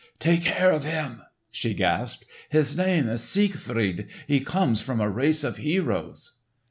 "Take care of him," she gasped. "His name is Siegfried. He comes from a race of heroes."